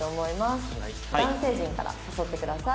「男性陣から誘ってください。